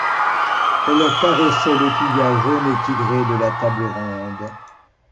Elle caressait le thuya jaune et tigré de la table ronde.